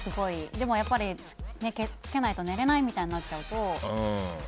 でも、つけないと寝れないみたいになっちゃうと。